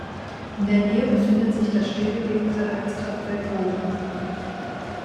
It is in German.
In der Nähe befindet sich das stillgelegte Heizkraftwerk Bochum.